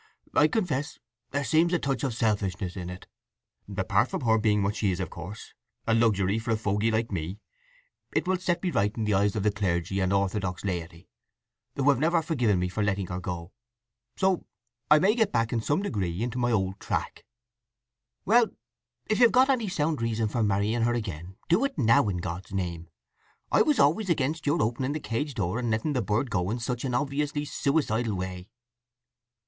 I confess there seems a touch of selfishness in it. Apart from her being what she is, of course, a luxury for a fogey like me, it will set me right in the eyes of the clergy and orthodox laity, who have never forgiven me for letting her go. So I may get back in some degree into my old track." "Well—if you've got any sound reason for marrying her again, do it now in God's name! I was always against your opening the cage door and letting the bird go in such an obviously suicidal way.